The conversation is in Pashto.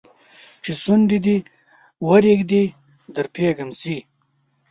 چې شونډي دې ورېږدي در پوهېږم چې